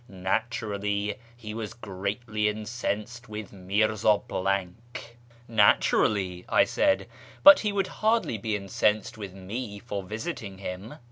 Naturally he was greatly incensed with Mirza ."" Naturally," I said, " but he would hardly be incensed with me for visiting him."